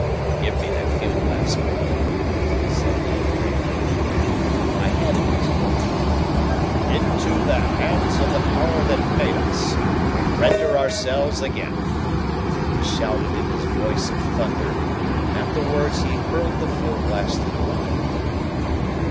"Give me that field glass, Malone," said he gravely. I handed it to him. "Into the hands of the Power that made us we render ourselves again!" he shouted in his voice of thunder, and at the words he hurled the field glass through the window.